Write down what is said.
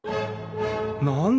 何だ？